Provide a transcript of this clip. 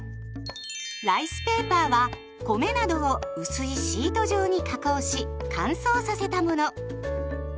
ライスペーパーは米などを薄いシート状に加工し乾燥させたもの。